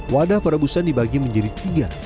wadah perebusan dibagi menjadi tiga